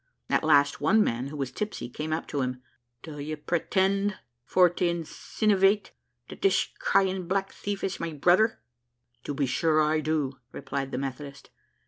At last, one man, who was tipsy, came up to him. "Do you pretend for to insinivate that this crying black thief is my brother?" "To be sure I do," replied the methodist.